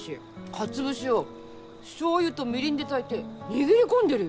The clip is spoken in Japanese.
かつ節をしょうゆとみりんで炊いて握り込んでるよ！